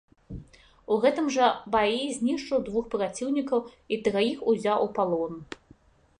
У гэтым жа баі знішчыў двух праціўнікаў і траіх узяў у палон.